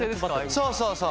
そうそうそう。